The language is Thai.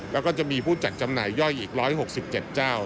แล้วก็จะมีผู้จัดจำหน่ายย่อยอีก๑๖๗เจ้า